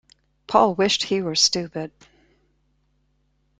Paul wished he were stupid.